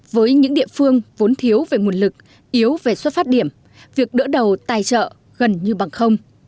với những địa phương vốn thiếu về nguồn lực yếu về xuất phát điểm việc đỡ đầu tài trợ gần như bằng không